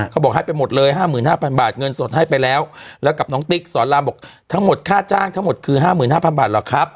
เขาบอกให้ไปหมดเลย๕๕๐๐บาทเงินสดให้ไปแล้วแล้วกับน้องติ๊กสอนรามบอกทั้งหมดค่าจ้างทั้งหมดคือ๕๕๐๐บาทหรอกครับ